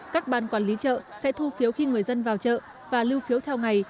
các ban quản lý chợ sẽ thu phiếu khi người dân vào chợ và lưu phiếu theo ngày